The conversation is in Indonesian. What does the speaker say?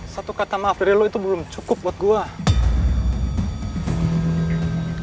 satu kata maaf dari lo itu belum cukup buat gue